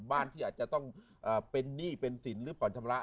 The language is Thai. บ้านที่อาจจะต้องเป็นหนี้เป็นสินหรือผ่อนชำระ